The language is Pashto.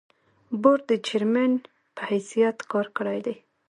بورډ د چېرمين پۀ حېثيت کار کړے دے ۔